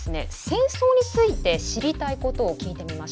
戦争について知りたいことを聞いてみました。